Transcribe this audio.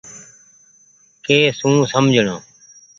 ڪي سون سمجهڻو۔